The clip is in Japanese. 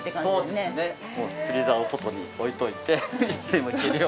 釣りザオ外に置いといていつでも行けるように。